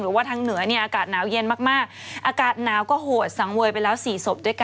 ว่าทางเหนือเนี่ยอากาศหนาวเย็นมากอากาศหนาวก็โหดสังเวยไปแล้ว๔ศพด้วยกัน